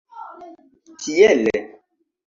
Tiele.